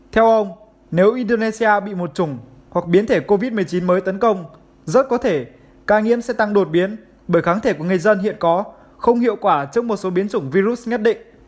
theo ông nếu indonesia bị một chủng hoặc biến thể covid một mươi chín mới tấn công rất có thể ca nhiễm sẽ tăng đột biến bởi kháng thể của người dân hiện có không hiệu quả trước một số biến chủng virus nhất định